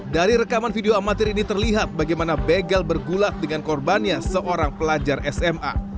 dari rekaman video amatir ini terlihat bagaimana begal bergulat dengan korbannya seorang pelajar sma